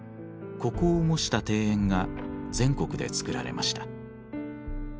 ここを模した庭園が全国で造られました。